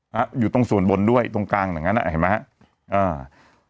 อยู่ตรงส่วนบนด้วยตรงกลางอย่างงั้นอ่ะเห็นไหมฮะอ่า